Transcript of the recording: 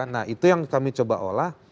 nah itu yang kami coba olah